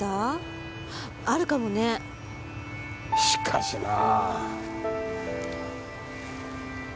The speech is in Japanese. しかしなぁ。